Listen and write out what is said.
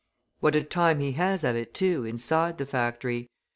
What a time he has of it, too, inside the factory!